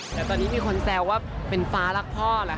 แต่ตอนนี้มีคนแซวว่าเป็นฟ้ารักพ่อเหรอค